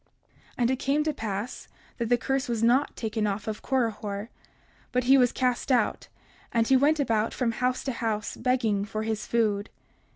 30:56 And it came to pass that the curse was not taken off of Korihor; but he was cast out, and went about from house to house begging for his food.